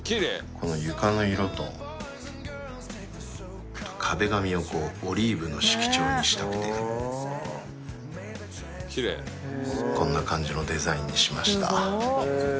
この床の色と壁紙をこうオリーブの色調にしたくてこんな感じのデザインにしました。